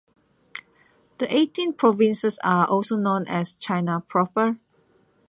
The eighteen provinces are also known as "China proper".